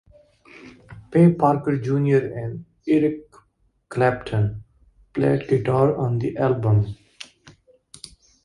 Ray Parker Junior and Eric Clapton played guitar on the album.